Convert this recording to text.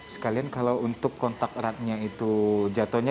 sekalian kalau untuk kontak eratnya itu jatuhnya